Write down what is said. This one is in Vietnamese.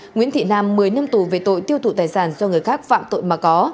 nguyễn thị nam một mươi năm tù về tội tiêu thụ tài sản do người khác phạm tội mà có